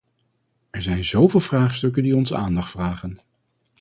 Er zijn zoveel vraagstukken die onze aandacht vragen.